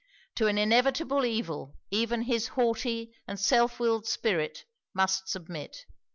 To an inevitable evil, even his haughty and self willed spirit must submit.